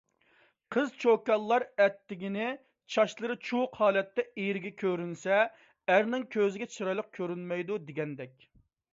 قىز-چوكانلار ئەتىگىنى چاچلىرى چۇۋۇق ھالەتتە ئېرىگە كۆرۈنسە، ئەرنىڭ كۆزىگە چىرايلىق كۆرۈنمەيدۇ، دېگەندەك.